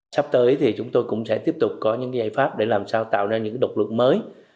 sắp tới thì chúng tôi cũng sẽ tiếp tục có những giải pháp để làm sao tạo ra những độc lực mới